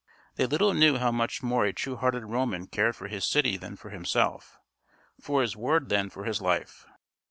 They little knew how much more a true hearted Roman cared for his city than for himself for his word than for his life.